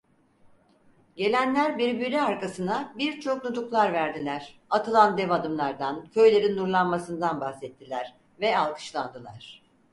Gelenler birbiri arkasına birçok nutuklar verdiler, atılan dev adımlardan, köylerin nurlanmasından bahsettiler ve alkışlandılar.